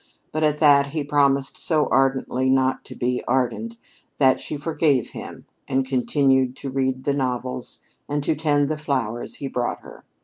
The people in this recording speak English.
But at that he promised so ardently not to be ardent that she forgave him and continued to read the novels and to tend the flowers he brought her.